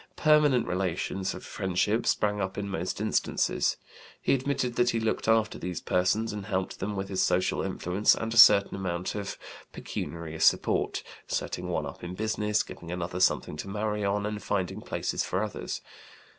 Permanent relations of friendship sprang up in most instances. He admitted that he looked after these persons and helped them with his social influence and a certain amount of pecuniary support setting one up in business, giving another something to marry on, and finding places for others.